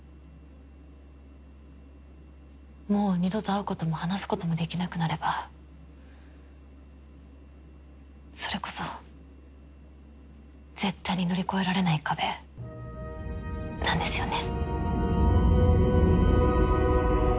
もう二度と会うことも話すこともできなくなればそれこそ絶対に乗り越えられない壁なんですよね。